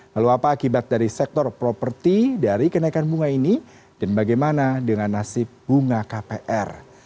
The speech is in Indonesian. lalu apa akibat dari sektor properti dari kenaikan bunga ini dan bagaimana dengan nasib bunga kpr